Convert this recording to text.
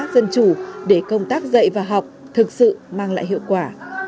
dân chủ để công tác dạy và học thực sự mang lại hiệu quả